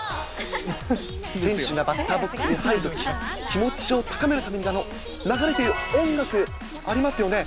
選手がバッターボックスに入るとき、気持ちを高めるために流れている音楽、ありますよね。